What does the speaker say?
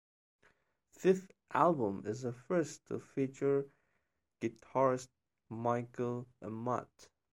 This album is the first to feature guitarist Michael Amott.